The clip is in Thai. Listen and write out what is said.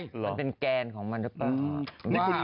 มันเป็นแกนของมันหรือเปล่า